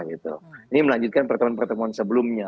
ini melanjutkan pertemuan pertemuan sebelumnya